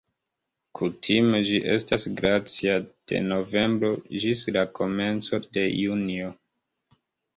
Kutime ĝi estas glacia de novembro ĝis la komenco de junio.